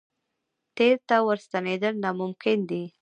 تېر ته ورستنېدل ناممکن دي.